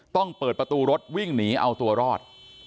ต้องเปิดประตูรถวิ่งหนีเอาตัวรอด